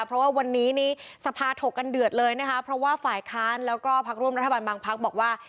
เพราะว่าวันนี้นี้สภาถกกันเดือดเลยนะคะเพราะว่าฝ่ายค้านแล้วก็พักร่วมรัฐบาลบางพักบอกว่า